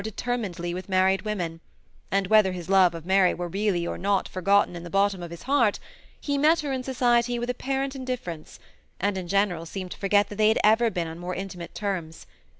135 determinedly with married women ; and whether his love of Mary were really or not forgotten, in the bot tom of his heart, he met her in society with apparent indifference, and in general seemed to forget that they had ever been on more intimate terms.